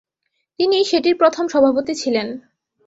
তিনি সেটির প্রথম সভাপতি ছিলেন।